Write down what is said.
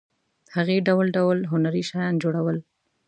هغې ډول ډول هنري شیان جوړول.